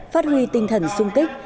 phát huy tinh thần sung kích